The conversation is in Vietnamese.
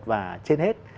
và trên hết